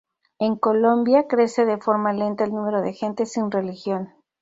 En Colombia crece de forma lenta el número de gente sin religión.